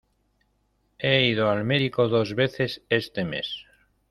He ido al médico dos veces este mes.